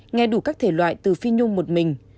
nghe đủ các thể loại từ phi nhung một mình